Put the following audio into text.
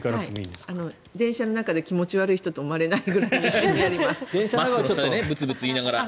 電車の中で気持ち悪い人と思われないぐらいにやります。